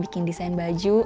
paking desain baju